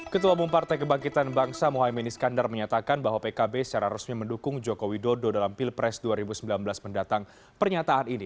ketua bumpartai kebangkitan bangsa mohaimin iskandar menyatakan bahwa pkb secara resmi mendukung jokowi dodo dalam pilpres dua ribu sembilan belas mendatang pernyataan ini